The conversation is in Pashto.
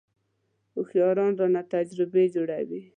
هوښیاران رانه تجربې جوړوي .